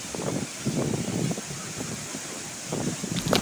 Kinyume na hii katika sheria ya Waislamu